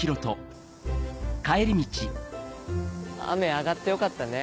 雨上がってよかったね。